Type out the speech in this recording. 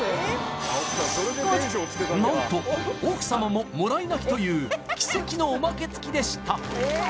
なんと奥様ももらい泣きという奇跡のおまけつきでした